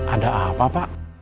ada apa pak